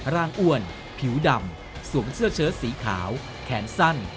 อ้วนผิวดำสวมเสื้อเชิดสีขาวแขนสั้น